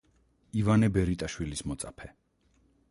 ივანე ბერიტაშვილის მოწაფე.